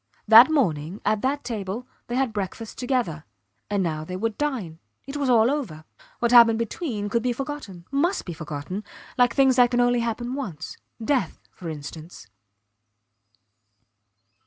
That morning, at that table, they had breakfast together; and now they would dine. It was all over! What had happened between could be forgotten must be forgotten, like things that can only happen once death for instance.